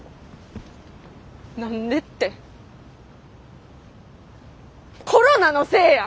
何でってコロナのせいや！